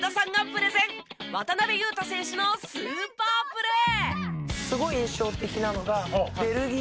渡邊雄太選手のスーパープレー。